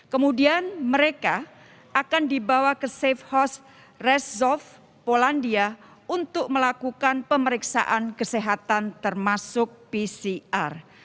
kemudian mereka akan dibawa ke safehouse rzezow polandia untuk melakukan pemeriksaan kesehatan termasuk pcr